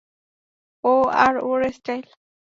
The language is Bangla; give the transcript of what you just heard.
ও আর ওর স্টাইল।